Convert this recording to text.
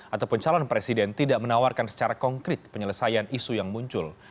ataupun calon presiden tidak menawarkan secara konkret penyelesaian isu yang muncul